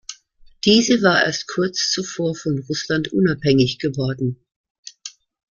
Diese war erst kurz zuvor von Russland unabhängig geworden.